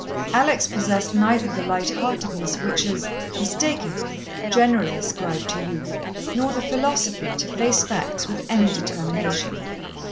Alex possessed neither the light heartedness which is mistakenly generally ascribed to youth, nor the philosophy, to face facts with any determination.